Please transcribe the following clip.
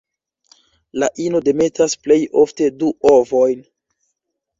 La ino demetas plej ofte du ovojn.